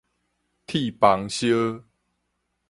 鐵枋燒